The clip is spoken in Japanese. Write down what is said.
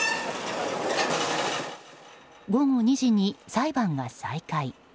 午後２時に裁判が再開。